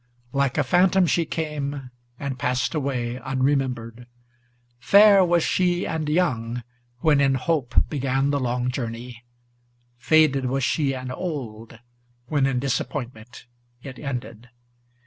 Like a phantom she came, and passed away unremembered. Fair was she and young, when in hope began the long journey; Faded was she and old, when in disappointment it ended.